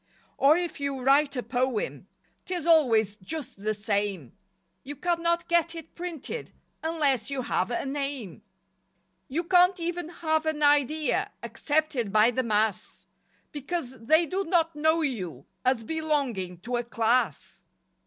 Or if you write a poem, 'Tis always just the same, You cannot get it printed Unless you have a "name." You can't even have an idea Accepted by the mass, Because they do not know you As belonging to a "Class."